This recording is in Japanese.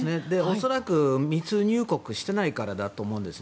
恐らく、密入国していないからだと思います。